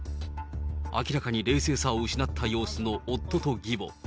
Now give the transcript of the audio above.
明らかに冷静さを失った様子の夫と義母。